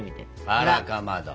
あらかまど！